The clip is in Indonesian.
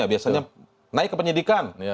nah ini kemudian naik ke penyidikan